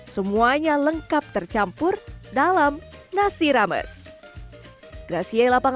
semuanya lengkap tercampur dalam nasi rames